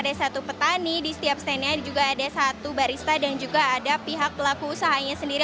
ada satu petani di setiap standnya juga ada satu barista dan juga ada pihak pelaku usahanya sendiri